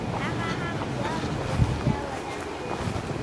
هغه هم دوه پوړیزه ودانۍ وه.